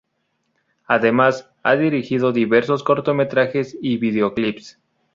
Además, ha dirigido diversos cortometrajes y videoclips.